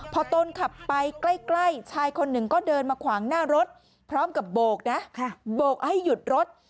พอตนขับไปใกล้ชายคนหนึ่งก็เดินมาขวางหน้ารถพร้อมกับโบกนะโบกให้หยุดรถ